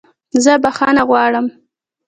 زه بخښنه غواړم